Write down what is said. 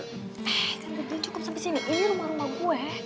eh kan udah cukup sampe sini ini rumah rumah gue